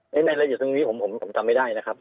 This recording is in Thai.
ในรายละเอียดตรงนี้ผมจำไม่ได้นะครับ